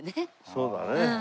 そうだね。